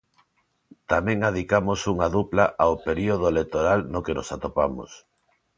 Tamén adicamos unha dupla ao período electoral no que nos atopamos.